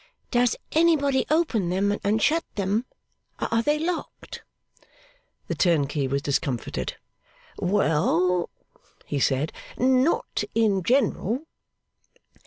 'Does anybody open them, and shut them? Are they locked?' The turnkey was discomfited. 'Well,' he said. 'Not in general.